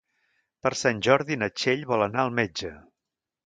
Per Sant Jordi na Txell vol anar al metge.